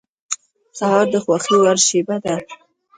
سهار د خوښې وړ شېبه ده.